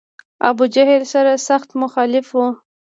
ابوجهل سر سخت مخالف و.